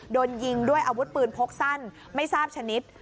โดนยิงด้วยอาวุธปืนพกสั้นไม่ทราบชนิด